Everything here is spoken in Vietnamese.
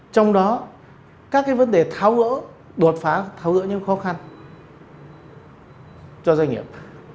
trong đó các vấn đề tháo gỡ đột phá tháo gỡ những khó khăn cho doanh nghiệp